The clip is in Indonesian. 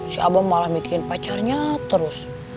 si abang malah bikin pacarnya terus